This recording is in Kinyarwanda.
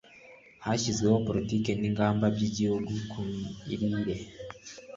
hashyizweho politiki n'ingamba by'igihugu ku mirire